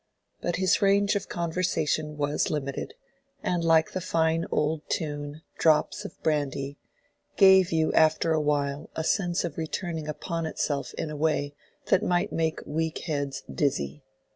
But his range of conversation was limited, and like the fine old tune, "Drops of brandy," gave you after a while a sense of returning upon itself in a way that might make weak heads dizzy.